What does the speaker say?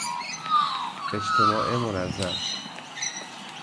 اجتماع منظم